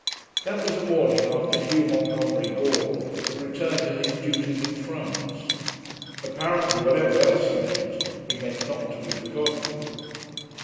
That was the morning after Hugh Montgomery Gordon had returned to his duties in France. Apparently whatever else he meant, he meant not to be forgotten.